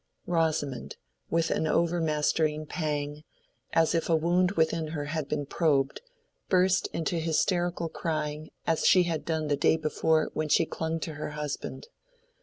Rosamond, with an overmastering pang, as if a wound within her had been probed, burst into hysterical crying as she had done the day before when she clung to her husband.